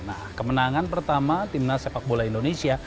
nah kemenangan pertama timnas sepak bola indonesia